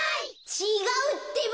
ちがうってば！